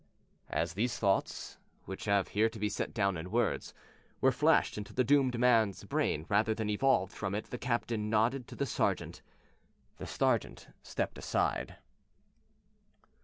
As these thoughts, which have here to be set down in words, were flashed into the doomed man's brain rather than evolved from it the captain nodded to the sergeant. The sergeant stepped aside.